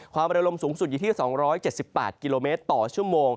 ความบริกลมสูงสุดอยู่ที่๒๗๘กิโลเมตรกรชม